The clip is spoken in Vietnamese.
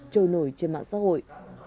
trời nổi trên mạng xã hội